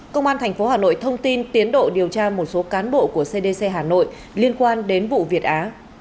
công an tp hà nội thông tin tiến độ điều tra một số cán bộ của cdc hà nội liên quan đến vụ việt á